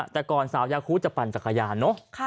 แต่ก่อนสาวยาคูจะปั่นจักรยานเนอะ